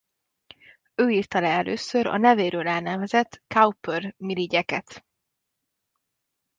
Ő írta le először a nevéről nevezett Cowper-mirigyeket.